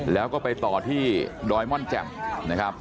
แล้วก็ไปต่อที่ดอยม่อนแจ่มนะครับ